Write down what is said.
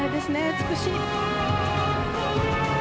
美しい。